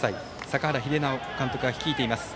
坂原秀尚監督が率いています。